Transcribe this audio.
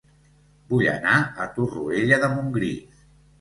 Vull anar a Torroella de Montgrí